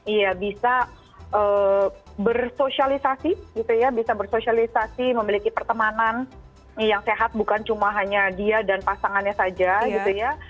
iya bisa bersosialisasi gitu ya bisa bersosialisasi memiliki pertemanan yang sehat bukan cuma hanya dia dan pasangannya saja gitu ya